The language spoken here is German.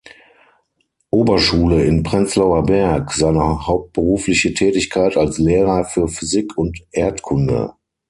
Oberschule in Prenzlauer Berg seine hauptberufliche Tätigkeit als Lehrer für Physik und Erdkunde.